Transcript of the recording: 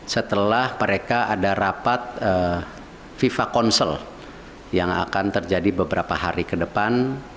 setelah mereka ada rapat fifa council yang akan terjadi beberapa hari ke depan